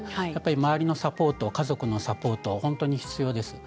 周りのサポート家族のサポートが必要です。